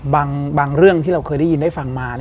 บางเรื่องที่เราเคยได้ยินได้ฟังมา